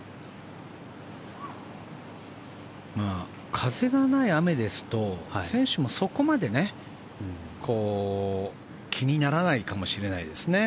風がない雨ですと選手もそこまで気にならないかもしれないですね。